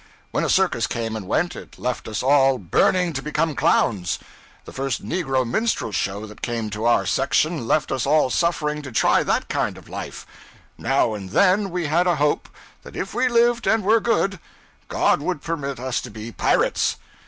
When a circus came and went, it left us all burning to become clowns; the first negro minstrel show that came to our section left us all suffering to try that kind of life; now and then we had a hope that if we lived and were good, God would permit us to be pirates.